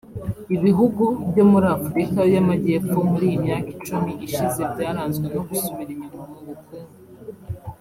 Ibihugu byo muri Afurika y’Amajyepfo muri iyi myaka icumi ishize byaranzwe no gusubira inyuma mu bukungu